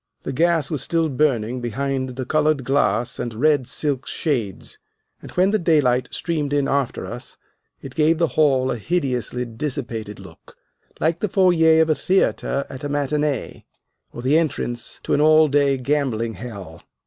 The gas was still burning behind the colored glass and red silk shades, and when the daylight streamed in after us it gave the hall a hideously dissipated look, like the foyer of a theatre at a matinee, or the entrance to an all day gambling hell.